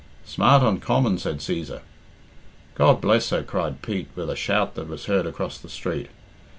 "Smart uncommon," said Cæsar. "God bless her!" cried Pete, with a shout that was heard across the street.